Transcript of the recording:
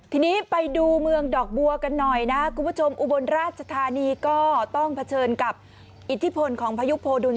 คือมันเป็นเหตุผลอิทธิพลของพระยุคโภดุล